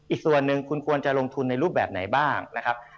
อีกส่วนหนึ่งคุณควรจะลงทุนในรูปแบบไหนบ้างนะครับ